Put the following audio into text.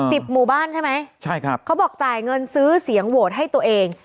หมู่บ้านใช่ไหมใช่ครับเขาบอกจ่ายเงินซื้อเสียงโหวตให้ตัวเอง